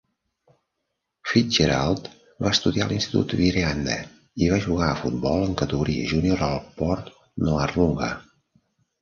Fitzgerald va estudiar a l'Institut Wirreanda i va jugar a futbol en categoria júnior al Port Noarlunga.